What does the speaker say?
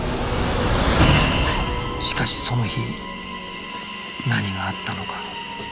しかしその日何があったのか